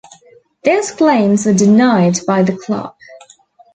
Those claims were denied by the club.